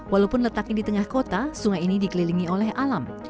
walaupun letaknya di tengah kota sungai ini dikelilingi oleh alam